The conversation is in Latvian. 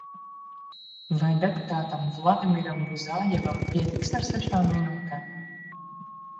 Vai deputātam Vladimiram Buzajevam pietiks ar sešām minūtēm?